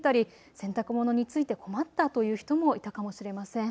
洗濯物に付いて困ったという人もいたかもしれません。